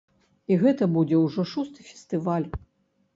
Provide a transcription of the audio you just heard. І гэта будзе ўжо шосты фестываль.